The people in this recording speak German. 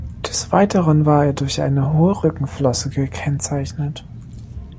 Des Weiteren war er durch eine hohe Rückenflosse gekennzeichnet.